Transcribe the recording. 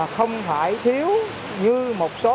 không phải thiếu như một số